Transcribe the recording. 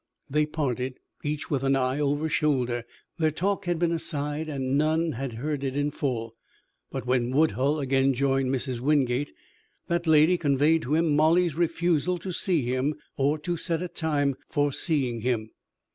They parted, each with eye over shoulder. Their talk had been aside and none had heard it in full. But when Woodhull again joined Mrs. Wingate that lady conveyed to him Molly's refusal to see him or to set a time for seeing him.